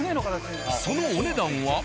そのお値段は？